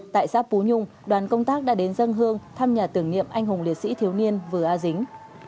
tại xã phú nhung đoàn công tác đã đến dân hương thăm nhà tưởng niệm anh hùng liệt sĩ thiếu niên vừa a dính